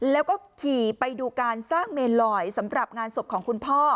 แล้วก็ขี่ไปดูการสร้างเมนลอยสำหรับงานศพของคุณพ่อ